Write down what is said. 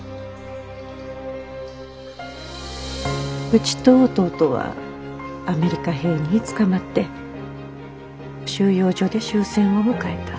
うちと弟はアメリカ兵につかまって収容所で終戦を迎えた。